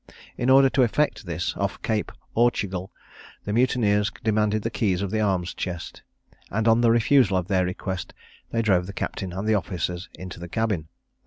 In order to effect this, off Cape Ortugal, the mutineers demanded the keys of the arm chests, and on the refusal of their request, they drove the captain and officers into the cabin.